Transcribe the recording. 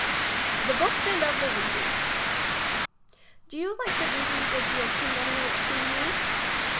^the hooks and of the reading. Do you like the reading good deal too many which seem mc